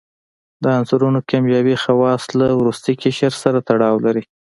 د عنصرونو کیمیاوي خواص له وروستي قشر سره تړاو لري.